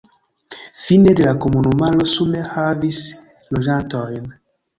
Fine de la komunumaro sume havis loĝantojn.